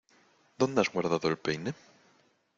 ¿Dónde has guardado el peine?